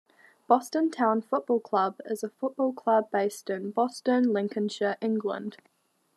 Boston Town Football Club is a football club based in Boston, Lincolnshire, England.